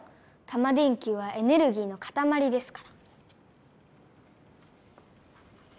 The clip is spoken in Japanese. タマ電Ｑはエネルギーのかたまりですから。